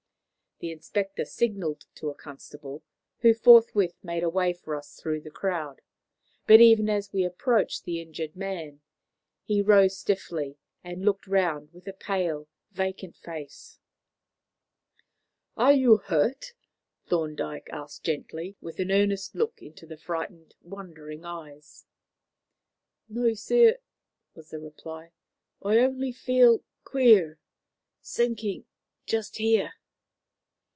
The inspector signalled to a constable, who forthwith made a way for us through the crowd; but even as we approached the injured man, he rose stiffly and looked round with a pale, vacant face. "Are you hurt?" Thorndyke asked gently, with an earnest look into the frightened, wondering eyes. "No, sir," was the reply; "only I feel queer sinking just here."